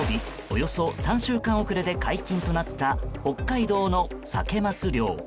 およそ３週間遅れで解禁となった北海道のサケ・マス漁。